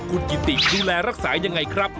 คุณกิติดูแลรักษายังไงครับ